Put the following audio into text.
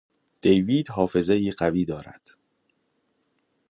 دیوید حافظهای قوی دارد.